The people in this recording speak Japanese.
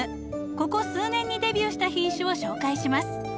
ここ数年にデビューした品種を紹介します。